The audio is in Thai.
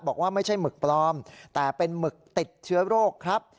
บอกว่าไม่ใช่หมึกปลอมแต่เป็นหมึกติดเชื้อโรคครับ